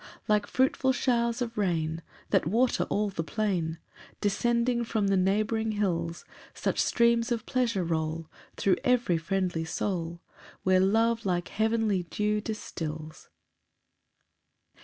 3 Like fruitful showers of rain, That water all the plain, Descending from the neighbouring hills; Such streams of pleasure roll Thro' every friendly soul, Where love like heavenly dew distils.